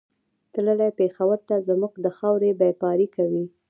تللی پېښور ته زموږ د خاورې بېپاري کوي